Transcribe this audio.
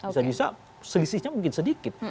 bisa bisa selisihnya mungkin sedikit